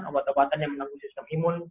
obat obatan yang mengandung sistem imun